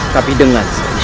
tapi dengan sedih